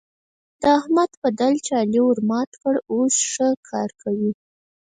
د احمد پدل چې علي ورمات کړ؛ اوس ښه کار کوي.